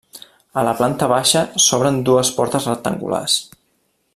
A la planta baixa s'obren dues portes rectangulars.